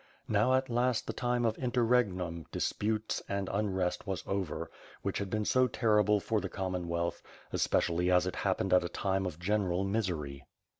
Now at last 'the time of intenregum, disputes, and unrest, was over, which had been so terrible for the Commonwealth, especially as it happened at a time of general misery.